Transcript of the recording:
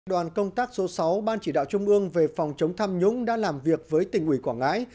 đoàn công tác số sáu ban chỉ đạo trung ương về phòng chống tham nhũng đã làm việc với tỉnh ủy quảng ngãi